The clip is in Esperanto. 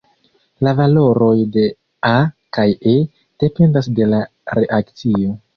La valoroj de "A" kaj "E" dependas de la reakcio.